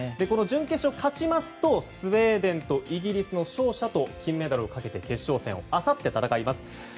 この準決勝を勝ちますとスウェーデンとイギリスの勝者と金メダルをかけて決勝戦をあさって戦います。